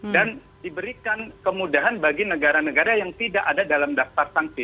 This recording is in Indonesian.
dan diberikan kemudahan bagi negara negara yang tidak ada dalam daftar sanksi